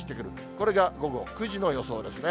これが午後９時の予想ですね。